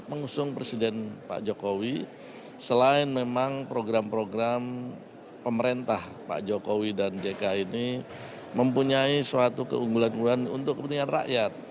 mengusung presiden pak jokowi selain memang program program pemerintah pak jokowi dan jk ini mempunyai suatu keunggulan keunggulan untuk kepentingan rakyat